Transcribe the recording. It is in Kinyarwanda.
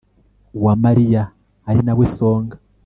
uwamariya ari na we songa